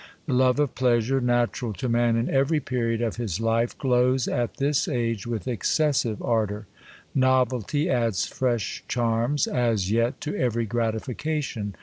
The love of pleasure, natural to man in every period of his life, glows at this age v/ith excGosive ardor. Novelty adds fresh charms, as yet, to every gratification.